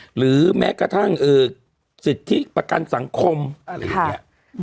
หรือแม้กระทั่งสิทธิประกันสังคมอะไรอย่างนี้